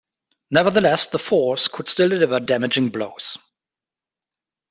Nevertheless, the force could still deliver damaging blows.